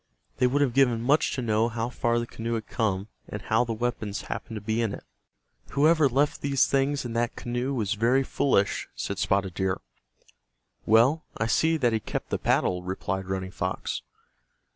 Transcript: They would have given much to know how far the canoe had come, and how the weapons happened to be in it. "Whoever left these things in that canoe was very foolish," said Spotted Deer. "Well, I see that he kept the paddle," replied Running Fox.